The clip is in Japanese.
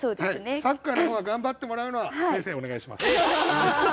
サッカーの方は頑張ってもらうのは先生お願いします。